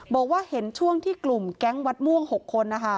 บอกว่าเห็นช่วงที่กลุ่มแก๊งวัดม่วง๖คน